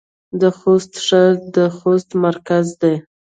د خوست ښار د خوست مرکز دی